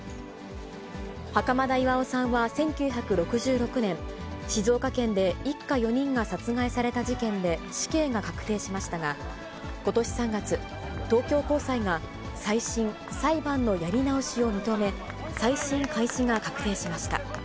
袴田巌さんは１９６６年、静岡県で一家４人が殺害された事件で、死刑が確定しましたが、ことし３月、東京高裁が再審・裁判のやり直しを認め、再審開始が確定しました。